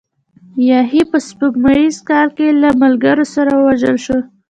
یحیی په سپوږمیز کال کې له ملګرو سره ووژل شو.